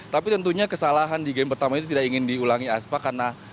tapi tentunya kesalahan di game pertama itu tidak ingin diulangi aspa karena